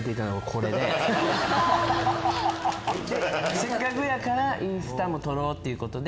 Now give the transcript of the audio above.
せっかくやからインスタも撮ろうということで。